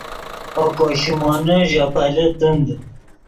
اوکو شیمونے ژے پیلے تند